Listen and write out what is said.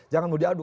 jangan mau diadu